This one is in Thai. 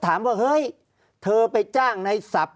ภารกิจสรรค์ภารกิจสรรค์